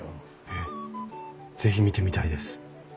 えっ是非見てみたいです。